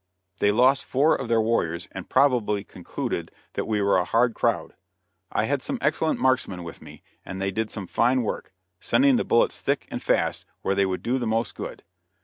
They lost four of their warriors, and probably concluded that we were a hard crowd. I had some excellent marksmen with me, and they did some fine work, sending the bullets thick and fast where they would do the most good.